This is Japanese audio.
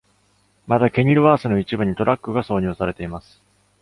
また、ケニルワースの一部にトラックが挿入されています。